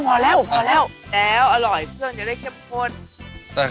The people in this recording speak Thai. อร่อยเพื่อนจะได้เข้มโค้น